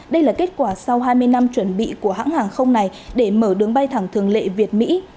đây là kết quả sau hai mươi năm chuẩn bị của hãng hàng không này để mở đường bay thẳng thường lệ việt mỹ